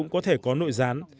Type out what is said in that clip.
có thể có nội gián